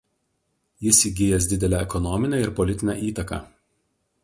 Jis įgijęs didelę ekonominę ir politinę įtaką.